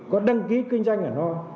có đăng ký kinh doanh ở nó